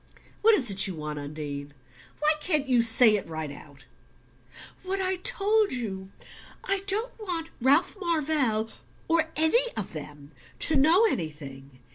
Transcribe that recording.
"What is it you want, Undine? Why can't you say it right out?" "What I told you. I don't want Ralph Marvell or any of them to know anything.